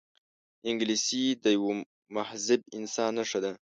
انګلیسي د یوه مهذب انسان نښه ده